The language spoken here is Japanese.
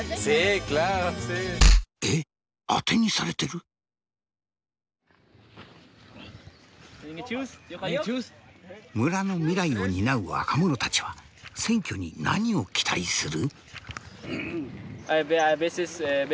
えっ村の未来を担う若者たちは選挙に何を期待する？